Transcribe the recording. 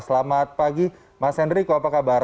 selamat pagi mas henryko apa kabar